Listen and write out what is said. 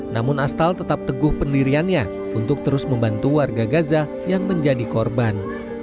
namun astal tetap teguh pendiriannya untuk terus membantu warga gaza yang menjadi korban